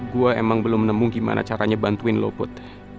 gue emang belum menemukan caranya bantuin lo put